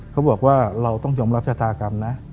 เขาบอกว่าเราต้องยอมรับชะตากรรมนะ